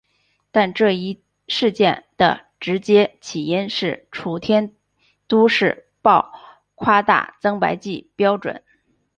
但这一事件的直接起因是楚天都市报夸大增白剂标准。